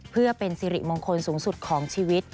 เพื่อเป็นสิริมงคลสูงสุดของชีวิต